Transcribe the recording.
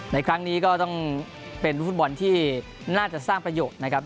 ในครั้งนี้ก็ต้องเป็นฟุตบอลที่น่าจะสร้างประโยชน์นะครับ